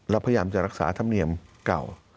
พยายามจะรักษาธรรมเนียมเก่า